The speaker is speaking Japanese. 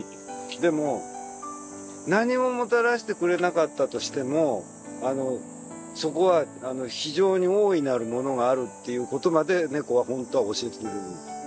でも何ももたらしてくれなかったとしてもそこは非常に大いなるものがあるっていうことまで猫は本当は教えてくれるんだよ。